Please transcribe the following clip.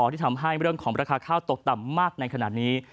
ที่ทำให้เรื่องของราคาข้าวตกต่ำมากในขณะนี้